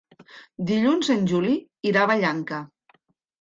Dilluns en Juli irà a Vallanca.